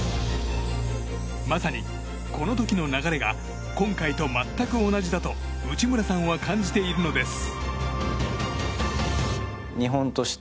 まさに、この時の流れが今回と全く同じだと内村さんは感じているのです。